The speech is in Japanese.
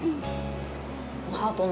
ハートの。